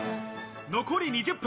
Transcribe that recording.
残り２０分。